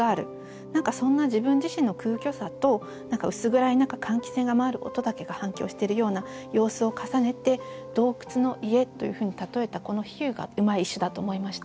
何かそんな自分自身の空虚さと薄暗い中換気扇が回る音だけが反響してるような様子を重ねて「洞窟の家」というふうに例えたこの比喩がうまい一首だと思いました。